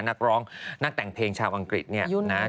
นักร้องนักแต่งเพลงชาวอังกฤษเนี่ยนะ